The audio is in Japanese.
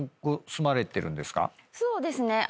そうですね。